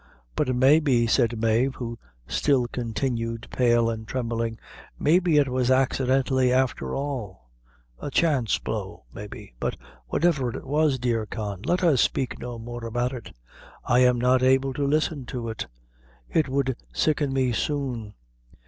"But maybe," said Mave, who still continued pale and trembling; "maybe it was accidentally afther all; a chance blow, maybe; but whatever it was, dear Con, let us spake no more about it. I am not able to listen to it; it would sicken me soon."